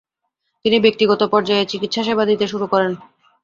তিনি ব্যক্তিগত পর্যায়ে চিকিৎসাসেবা দিতে শুরু করেন।